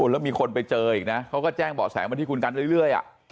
แล้วมีคนไปเจออีกนะเขาก็แจ้งเบาะแสงมาที่คุณกันเรื่อย